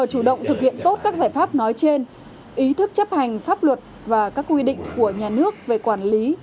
chủ động thực hiện tốt các giải pháp nói trên ý thức chấp hành pháp luật và các quy định của nhà nước về quản lý